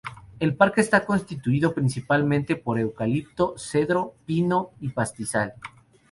El parque está constituido principalmente por eucalipto, cedro, pino y pastizal.